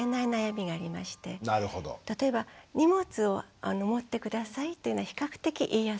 例えば荷物を持って下さいっていうのは比較的言いやすい。